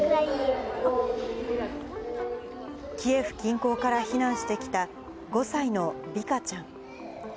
キエフ近郊から避難してきた、５歳のヴィカちゃん。